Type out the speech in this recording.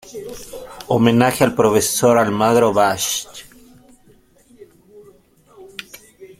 Homenaje al Profesor Almagro Basch.